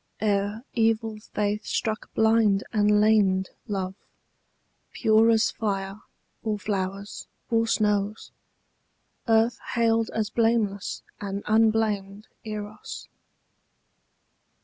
Ere evil faith struck blind and lamed Love, pure as fire or flowers or snows, Earth hailed as blameless and unblamed Eros.